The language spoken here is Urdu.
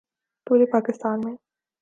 پورے پاکستان میں